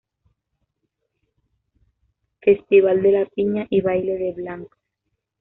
Festival de la piña, y baile de Blanco.